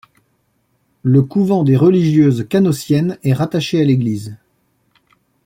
Le couvent des religieuses canossiennes est rattaché à l'église.